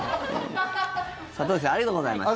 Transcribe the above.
里崎さんありがとうございました。